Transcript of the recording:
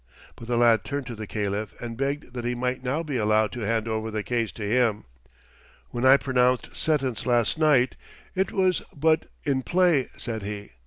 But the lad turned to the Caliph and begged that he might now be allowed to hand over the case to him. "When I pronounced sentence last night, it was but in play," said he.